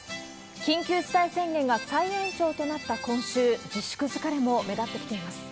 緊急事態宣言が再延長となった今週、自粛疲れも目立ってきています。